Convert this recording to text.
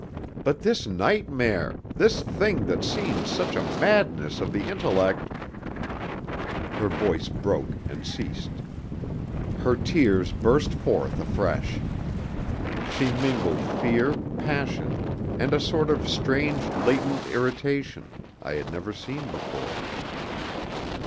But this nightmare, this thing that seems such a madness of the intellect " Her voice broke and ceased. Her tears burst forth afresh. Such mingled fear, passion, and a sort of strange latent irritation, I had never seen before.